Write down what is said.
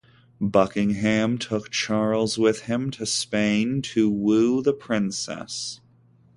Buckingham took Charles with him to Spain to woo the Princess.